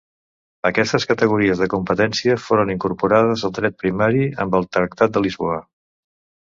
Aquestes categories de competència foren incorporades al dret primari amb el Tractat de Lisboa.